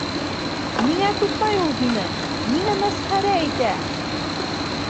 Ниңә туҡмай ул һине, ниңә мәсхәрә итә?!